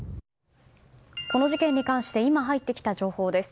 この事件に関して今入ってきた情報です。